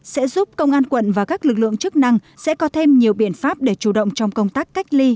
sẽ giúp công an quận và các lực lượng chức năng sẽ có thêm nhiều biện pháp để chủ động trong công tác cách ly